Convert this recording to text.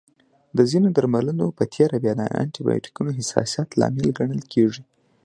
د ځینو درملنو په تېره بیا د انټي بایوټیکونو حساسیت لامل ګڼل کېږي.